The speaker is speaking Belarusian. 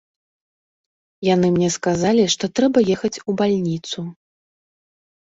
Яны мне сказалі, што трэба ехаць у бальніцу.